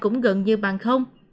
cũng gần như bằng không